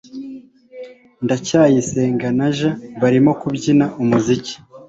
ndacyayisenga na j barimo kubyina umuziki